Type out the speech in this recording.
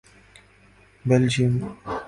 Belgium